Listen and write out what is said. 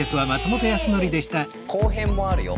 後編もあるよ。